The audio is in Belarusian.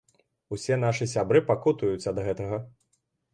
Усе нашы сябры пакутуюць ад гэтага.